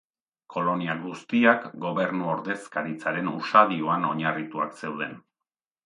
Kolonia guztiak gobernu ordezkaritzaren usadioan oinarrituak zeuden.